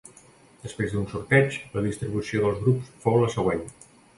Després d'un sorteig, la distribució dels grups fou la següent.